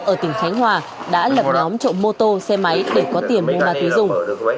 ở tỉnh khánh hòa đã lập nhóm trộm mô tô xe máy để có tiền lên ma túy dùng